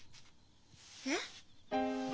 えっ？